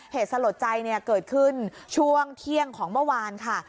เหตุสะหรับใจเกิดขึ้นช่วงเที่ยงของเมื่อวานค่ะ